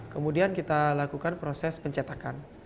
kemudian kita lakukan proses pencetakan